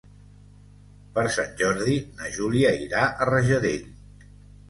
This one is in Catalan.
Per Sant Jordi na Júlia irà a Rajadell.